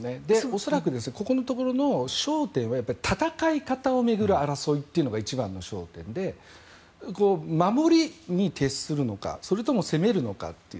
恐らくここのところの焦点は戦い方を巡る争いが一番の焦点で守りに徹するのかそれとも攻めるのかという。